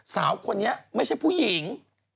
สาวคนนี้ไม่ใช่ผู้หญิง